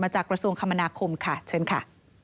จากกระทรวงคมนาคมค่ะเชิญค่ะ